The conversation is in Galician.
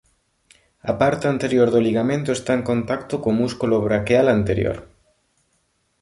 A parte anterior do ligamento está en contacto co músculo braquial anterior.